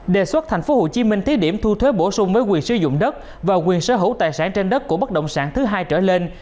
đề xuất tp hcm thí điểm thu thuế bổ sung với quyền sử dụng đất và quyền sở hữu tài sản trên đất của bất động sản thứ hai trở lên